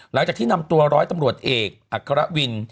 หลังจากที่นำตัวร้อยตำรวจเอกอัครวิน